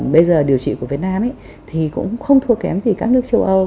bây giờ điều trị của việt nam thì cũng không thua kém gì các nước châu âu